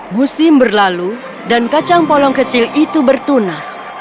musim berlalu dan kacang polong kecil itu bertunas